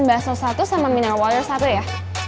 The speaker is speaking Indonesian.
saya mau pesen bakso satu sama mineral water satu ya